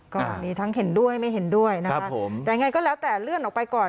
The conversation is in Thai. ก็มีทั้งเห็นด้วยไม่เห็นด้วยนะคะแต่ยังไงก็แล้วแต่เลื่อนออกไปก่อน